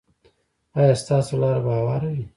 ایا ستاسو لاره به هواره وي؟